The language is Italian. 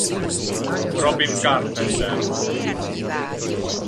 Robin Carpenter